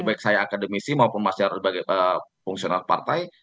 baik saya akademisi maupun masyarakat sebagai fungsional partai